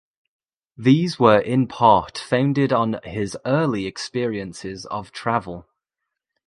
These were in part founded on his early experiences of travel.